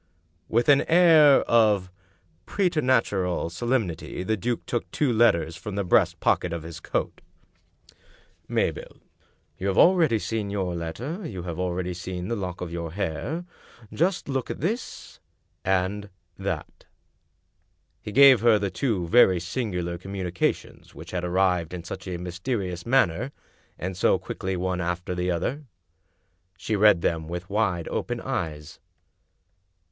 With an air of preternatural solemnity the duke took two letters from the breast pocket of his coat 296 The Lost Duchess " Mabel, you have already seen your letter. You have already seen the lock of your hair. Just look at this — ^and that." He gave her the two very singular communications which had arrived in such a mysterious manner, and so quickly one after the other. She read them with wide open eyes.